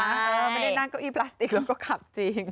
ไม่ได้นั่งเก้าอี้พลาสติกแล้วก็ขับจริง